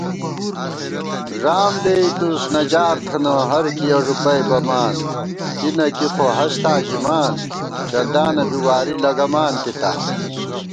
ݫام لېئیتُوس نجار تھنہ ہر کِیَہ ݫُپئ بَمان * کی نہ کی خو ہستاں ژِمان، چندانہ بی واری لَگمان تِتا